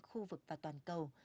khu vực và toàn cầu